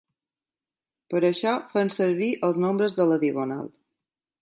Per a això fem servir els nombres de la diagonal.